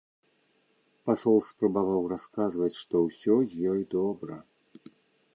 Пасол спрабаваў расказваць, што ўсё з ёй добра.